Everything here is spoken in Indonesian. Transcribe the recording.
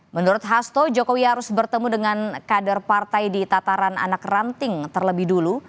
menurut hasto jokowi harus bertemu dengan kader partai di tataran anak ranting terlebih dulu